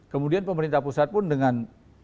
kemudian pemerintah pusat pun dengan